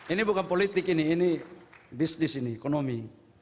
ini bukan politik ini ini bisnis ini ekonomi